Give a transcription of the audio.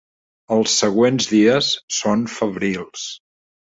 Els següents dies són febrils.